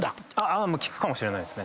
効くかもしれないですね